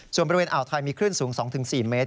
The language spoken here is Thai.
ส่วนบริเวณอ่าวไทยมีคลื่นสูง๒๔เมตร